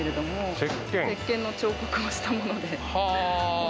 せっけんの彫刻をしたもので。